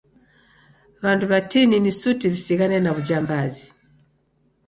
W'andu w'atini ni suti w'isighane na w'ujambazi.